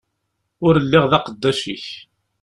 Ur lliɣ d aqeddac-ik.